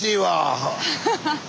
ハハハッ。